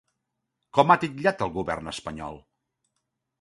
Com ha titllat el govern espanyol?